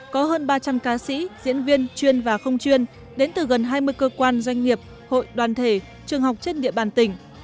có hơn ba trăm linh ca sĩ diễn viên chuyên và không chuyên đến từ gần hai mươi cơ quan doanh nghiệp hội đoàn thể trường học trên địa bàn tỉnh